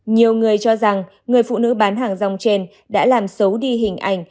nhiều người cho rằng người phụ nữ bán hàng rong trên đã làm xấu đi hình ảnh